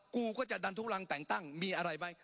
แล้วก็จะดันทุกลางแต่งตั้งมีอะไรไหม